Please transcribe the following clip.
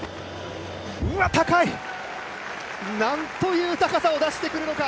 高い、なんという高さを出してくるのか。